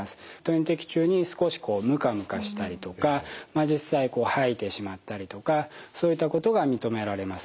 点滴中に少しムカムカしたりとか実際吐いてしまったりとかそういったことが認められます。